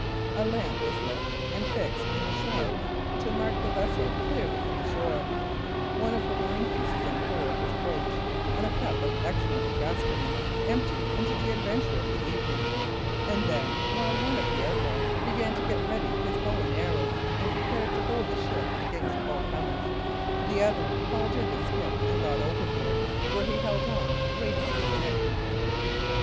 A lamp was lit and fixed in the shrouds to mark the vessel clearly from the shore; one of the wine pieces in the hold was broached, and a cup of excellent Gascony emptied to the adventure of the evening; and then, while one of the outlaws began to get ready his bow and arrows and prepare to hold the ship against all comers, the other hauled in the skiff and got overboard, where he held on, waiting for Dick.